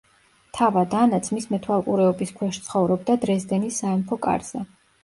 თავად ანა ძმის მეთვალყურეობის ქვეშ ცხოვრობდა დრეზდენის სამეფო კარზე.